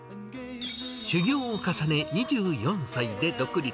修業を重ね、２４歳で独立。